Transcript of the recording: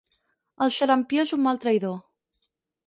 El xarampió és un mal traïdor.